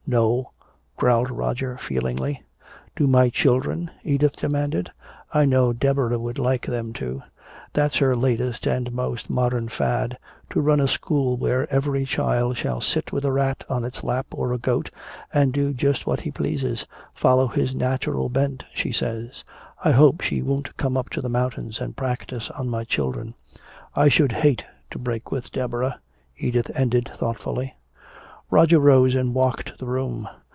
"No," growled Roger feelingly. "Do my children?" Edith demanded. "I know Deborah would like them to. That's her latest and most modern fad, to run a school where every child shall sit with a rat in its lap or a goat, and do just what he pleases follow his natural bent, she says. I hope she won't come up to the mountains and practice on my children. I should hate to break with Deborah," Edith ended thoughtfully. Roger rose and walked the room.